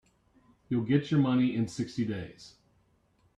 You'll get your money in sixty days.